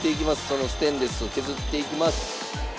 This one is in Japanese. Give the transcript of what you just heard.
そのステンレスを削っていきます。